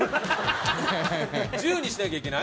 １０にしなきゃいけない？